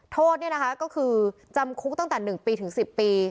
โทษเนี้ยนะคะก็คือจำคุกตั้งแต่หนึ่งปีถึงสิบปี